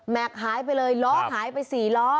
แม็กซ์หายไปเลยล้อหายไปสี่ล้อ